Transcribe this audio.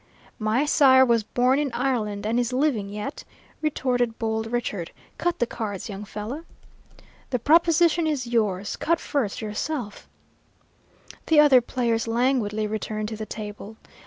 "My sire was born in Ireland and is living yet," retorted Bold Richard. "Cut the cards, young fellow." "The proposition is yours cut first yourself." The other players languidly returned to the table.